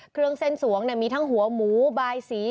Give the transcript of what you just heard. เครื่องเส้นสวงมีทั้งหัวหมูบายสี